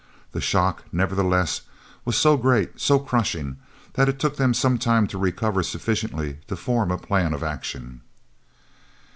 The shock, nevertheless, was so great, so crushing, that it took them some time to recover sufficiently to form a plan of action.